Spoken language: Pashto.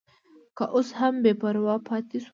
که اوس هم بې پروا پاتې شو.